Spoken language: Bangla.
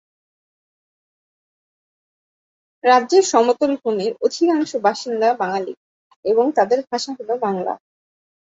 রাজ্যের সমতল ভূমির অধিকাংশ বাসিন্দা বাঙালি এবং তাদের ভাষা হল বাংলা।